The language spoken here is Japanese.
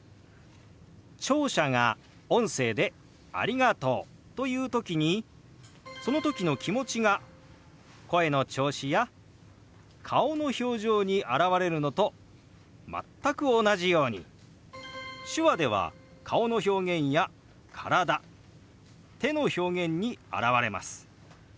聴者が音声で「ありがとう」と言う時にその時の気持ちが声の調子や顔の表情に表れるのと全く同じように手話では顔の表現や体・手の表現に表れます。